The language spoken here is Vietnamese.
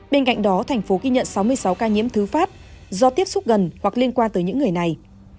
bên cạnh đó thành phố ghi nhận sáu mươi sáu ca nhiễm thứ phát do tiếp xúc gần hoặc liên quan tới những người này